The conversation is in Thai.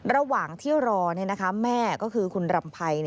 ระหว่างที่รอแม่ก็คือคุณรำไพร